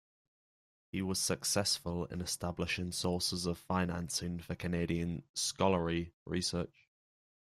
He was successful in establishing sources of financing for Canadian scholarly research.